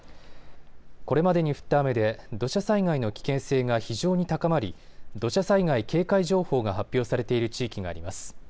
これまでに降った雨で土砂災害の危険性が非常に高まり土砂災害警戒情報が発表されている地域があります。